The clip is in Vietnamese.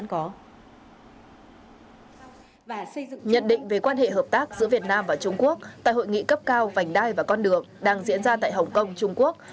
và nhận định về quan hệ hợp tác giữa việt nam và trung quốc tại hội nghị cấp cao vành đai và con đường đang diễn ra tại hồng kông trung quốc